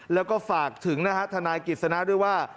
แล้วก็ฝากถึงนะฮะทนายกิจสนะด้วยว่า